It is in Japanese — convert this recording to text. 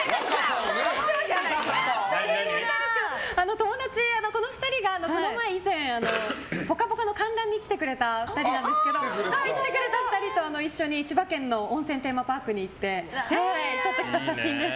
友達、この２人が以前「ぽかぽか」の観覧に来てくれた２人なんですけど一緒に千葉県の温泉テーマパークに行って撮ってきた写真です。